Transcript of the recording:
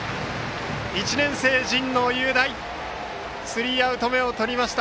１年生、神農雄大スリーアウト目をとりました。